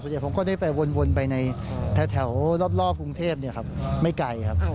ผมก็ได้ไปวนไปในแถวรอบกรุงเทพไม่ไกลครับ